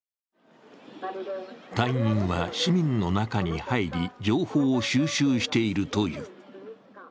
隊員は市民の中に入り情報を収集しているという。